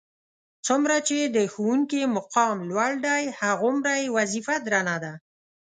څومره چې د ښوونکي مقام لوړ دی هغومره یې وظیفه درنه ده.